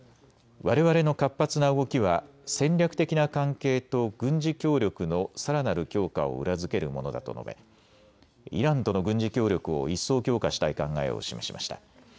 われわれの活発な動きは戦略的な関係と軍事協力のさらなる強化を裏付けるものだと述べイランとの軍事協力を一層強化したい考えを示しました。